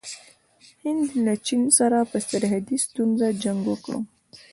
هند له چین سره په سرحدي ستونزه جنګ وکړ.